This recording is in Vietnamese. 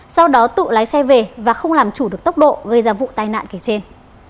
sau đó tự lái xe về và không làm chủ được tốc độ gây ra vụ tai nạn kể trên